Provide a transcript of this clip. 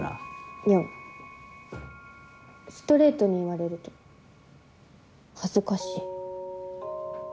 いやストレートに言われると恥ずかしい。